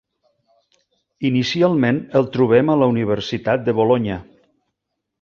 Inicialment el trobem a la Universitat de Bolonya.